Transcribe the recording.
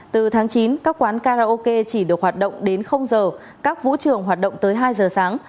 từ tháng chín các quán karaoke chỉ được hoạt động đến giờ các vũ trường hoạt động tới hai giờ sáng